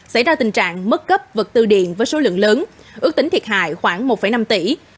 xảy ra tình trạng mất cấp vật tư điện với số lượng lớn ước tính thiệt hại khoảng một năm tỷ